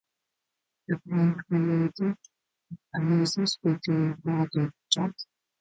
The band created a music video for the track.